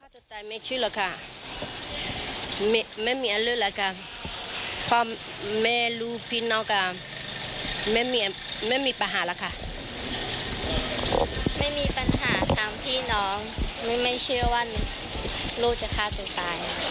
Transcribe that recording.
ฉันไม่เชื่อว่าลูกจะฆ่าตัวตาย